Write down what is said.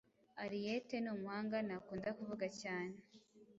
Henriette ni umuhanga, ntakunda kuvuga cyane,